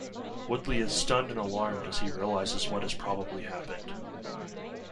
Woodley is stunned and alarmed as he realizes what has probably happened.